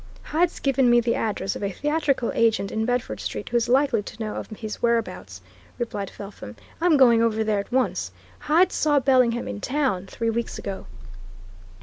"Hyde's given me the address of a theatrical agent in Bedford Street who's likely to know of his whereabouts," replied Felpham. "I'm going over there at once. Hyde saw Bellingham in town three weeks ago."